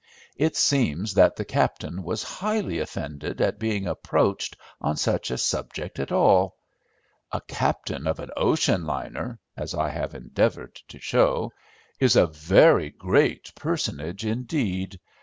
It seems that the captain was highly offended at being approached on such a subject at all. A captain of an ocean liner, as I have endeavoured to show, is a very great personage indeed.